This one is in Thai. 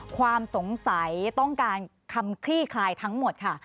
ความสงสัยต้องการคำคลี่คลายทั้งหมดค่ะ